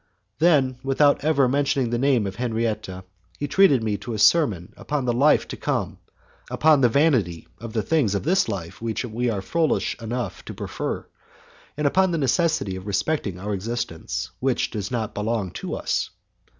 Then, without ever mentioning the name of Henriette, he treated me to a sermon upon the life to come, upon the vanity of the things of this life which we are foolish enough to prefer, and upon the necessity of respecting our existence, which does not belong to us.